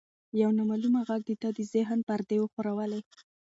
یو نامعلومه غږ د ده د ذهن پردې وښورولې.